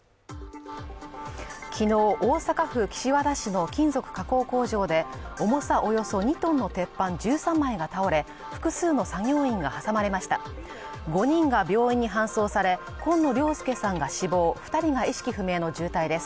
昨日大阪府岸和田市の金属加工工場で重さおよそ２トンの鉄板１３枚が倒れ複数の作業員が挟まれました５人が病院に搬送され紺野良介さんが死亡二人が意識不明の重体です